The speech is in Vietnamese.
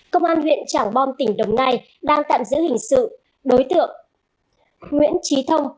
công an huyện trảng bom tỉnh đồng nai đang tạm giữ hình sự đối tượng nguyễn trí thông